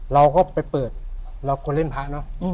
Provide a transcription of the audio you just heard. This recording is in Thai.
เราก็ไปเปิดคนเล่นพระเนอะ